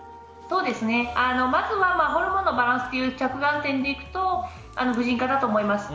まずは、ホルモンのバランスという着眼点でいうと婦人科だと思います。